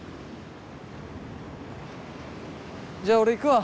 じゃあ俺行くわ。